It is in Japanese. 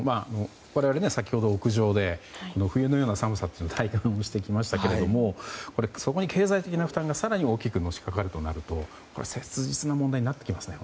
我々、先ほど屋上で冬のような寒さを体感してきましたけどもそこに経済的な負担が更に大きくのしかかるとなると切実な問題になってきますね。